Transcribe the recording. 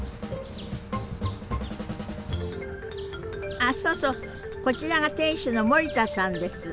あそうそうこちらが店主の森田さんです。